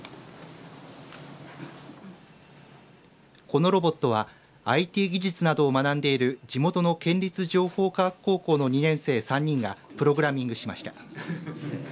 このロボットはＩＴ技術などを学んでいる地元の県立情報科学高校の２年生３人がプログラミングしました。